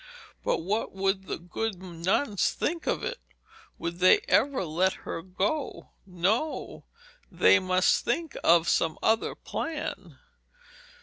But what would the good nuns think of it? Would they ever let her go? No; they must think of some other plan.